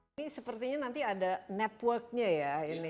tapi seliani itupound pemanis makassari sekarang sudah maju